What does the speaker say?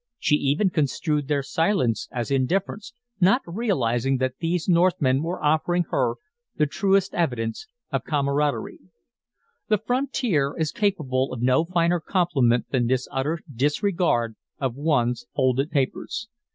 She even construed their silence as indifference, not realizing that these Northmen were offering her the truest evidence of camaraderie. The frontier is capable of no finer compliment than this utter disregard of one's folded pages.